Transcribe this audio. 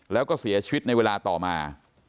แล้วก็เสียชีวิตในเวลาต่อมา